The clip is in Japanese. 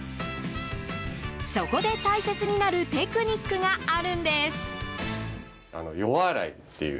そこで、大切になるテクニックがあるんです。